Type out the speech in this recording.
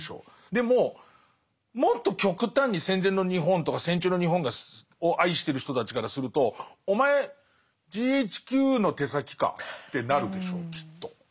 でももっと極端に戦前の日本とか戦中の日本を愛してる人たちからするとお前ＧＨＱの手先か？ってなるでしょうきっと。